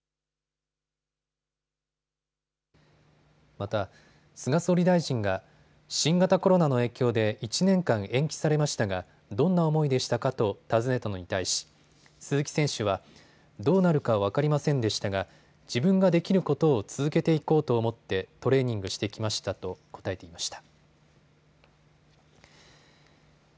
また菅総理大臣が新型コロナの影響で１年間延期されましたがどんな思いでしたかと尋ねたのに対し鈴木選手はどうなるか分かりませんでしたが自分ができることを続けていこうと思ってトレーニングしてきましたと答えていました。